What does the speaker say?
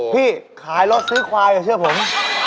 พี่ขายรถซื้อควายกับเชื่อผม